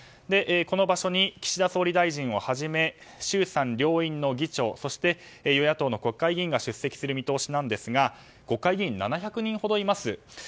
この場所に岸田総理大臣をはじめ衆参両院の議長与野党の国会議員が出席する見通しですが国会議員は７００人ほどいます。